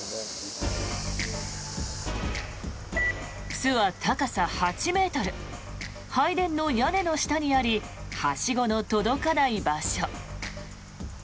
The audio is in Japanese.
巣は高さ８ｍ拝殿の屋根の下にありはしごの届かない場所。